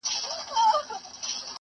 ولي د ډنډ ترڅنګ د ږدن او مڼې ځای ړنګیږي؟